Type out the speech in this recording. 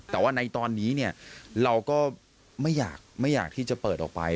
แต่ว่าในตอนนี้เราก็ไม่อยากที่จะเปิดออกไป